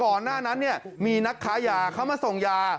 หน้านั้นเนี่ยมีนักค้ายาเขามาส่งยา